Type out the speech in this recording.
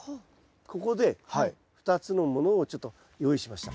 ここで２つのものをちょっと用意しました。